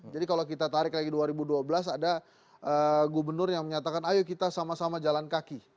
jadi kalau kita tarik lagi dua ribu dua belas ada gubernur yang menyatakan ayo kita sama sama jalan kaki